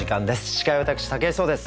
司会は私武井壮です。